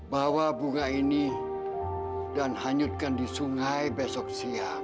bawa bunga ini dan hanyutkan di sungai besok siang